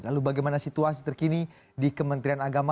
lalu bagaimana situasi terkini di kementerian agama